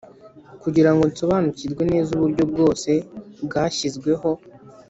kugira ngo nsobanukirwe neza uburyo bwose bwashyizweho